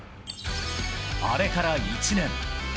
あれから１年。